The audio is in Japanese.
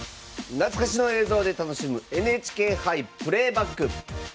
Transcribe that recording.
懐かしの映像で楽しむＮＨＫ杯プレーバック。